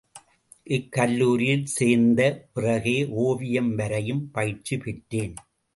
இக் கல்லூரியில் சேர்ந்த பிறகே, ஒவியம் வரையும் பயிற்சி பெற்றேன்.